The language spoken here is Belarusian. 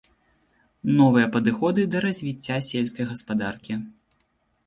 Новыя падыходы да развіцця сельскай гаспадаркі.